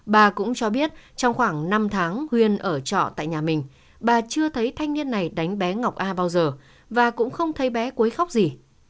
bà cũng cho biết trong khoảng năm tháng huyên ở trọ tại nhà mình bà chưa thấy thanh niên này đánh bé ngọc a bao giờ và cũng không thấy bé quấy khóc gì